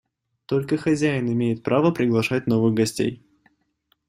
Только хозяин имеет право приглашать новых гостей.